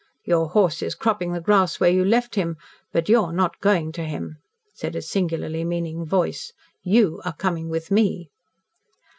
"Your horse is cropping the grass where you left him, but you are not going to him," said a singularly meaning voice. "You are coming with me."